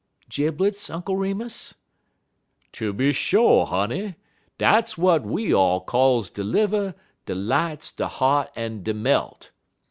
"Jiblets, Uncle Remus?" "Tooby sho', honey. Dats w'at we all calls de liver, de lights, de heart, en de melt.